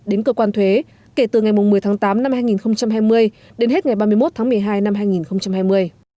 đến cơ quan thuế kể từ ngày một mươi tháng tám năm hai nghìn hai mươi đến hết ngày ba mươi một tháng một mươi hai năm hai nghìn hai mươi